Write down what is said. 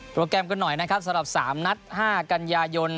โปรแกรมกันหน่อยสำหรับ๓นัท๕กัญญายน